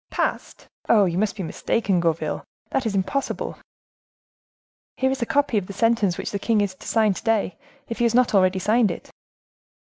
"Passed? Oh! you must be mistaken, Gourville; that is impossible." "Here is a copy of the sentence which the king is to sign to day, if he has not already signed it."